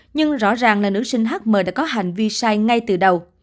nhưng rõ ràng là nữ sinh hm đã có hành vi sai ngay từ đầu